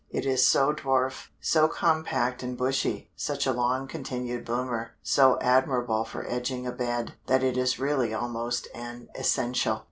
It is so dwarf, so compact and bushy, such a long continued bloomer, so admirable for edging a bed, that it is really almost an essential.